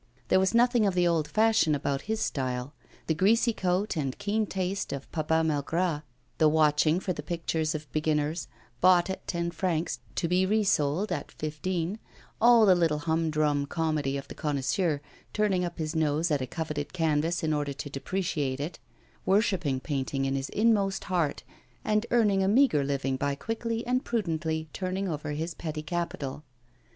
There was nothing of the old fashion about his style the greasy coat and keen taste of Papa Malgras, the watching for the pictures of beginners, bought at ten francs, to be resold at fifteen, all the little humdrum comedy of the connoisseur, turning up his nose at a coveted canvas in order to depreciate it, worshipping painting in his inmost heart, and earning a meagre living by quickly and prudently turning over his petty capital.